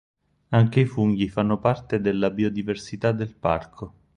Anche i funghi fanno parte della biodiversità del parco.